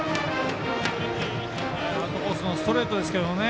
アウトコースのストレートですけどね。